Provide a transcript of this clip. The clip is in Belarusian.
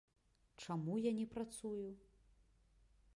Чаму я не працую?